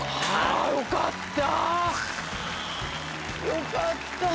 よかった。